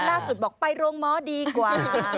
ล่าสุดแบบว่าไปรงมหัวดีกว่า